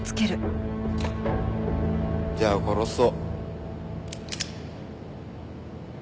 じゃあ殺そ。